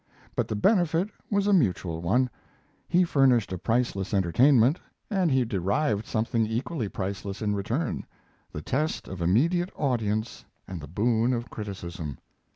But the benefit was a mutual one. He furnished a priceless entertainment, and he derived something equally priceless in return the test of immediate audience and the boon of criticism.